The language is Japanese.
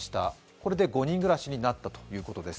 これで５人暮らしになったということです。